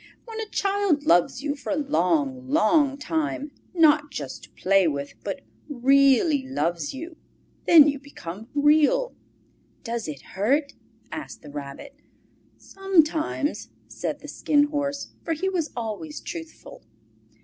When a child loves you for a long, long time, not just to play with, but REALLY loves you, then you become Real." "Does it hurt?" asked the Rabbit. "Sometimes," said the Skin Horse, for he was always truthful.